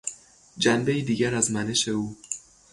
جنبهای دیگر از منش او